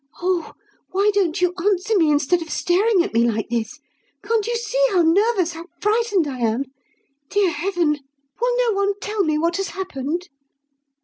Oh! why don't you answer me, instead of staring at me like this? Can't you see how nervous, how frightened, I am? Dear Heaven! will no one tell me what has happened?"